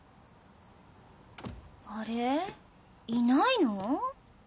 あれいないの？